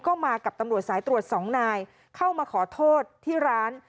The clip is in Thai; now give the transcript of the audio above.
ก็มากับตำรวจสายตรวจสองนายเข้ามาขอโทษที่ร้าน